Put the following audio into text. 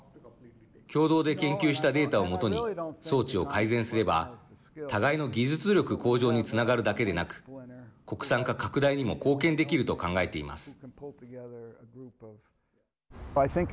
共同で研究したデータを基に装置を改善すれば互いの技術力向上につながるだけでなく国産化拡大にも貢献できると考えています。